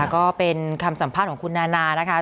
ก็เป็นคำสัมภาษณ์ของคุณนานานะคะ